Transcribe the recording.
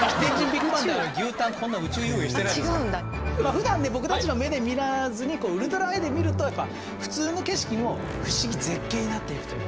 ふだんね僕たちの目で見らずにウルトラアイで見ると普通の景色も不思議・絶景になっていくと。